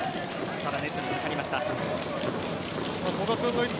ただ、ネットにかかりました。